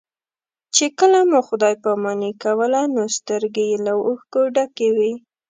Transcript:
چې کله مو خدای پاماني کوله نو سترګې یې له اوښکو ډکې وې.